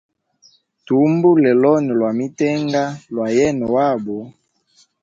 Tuhumbule loni lwa mitenga lwayene wabo.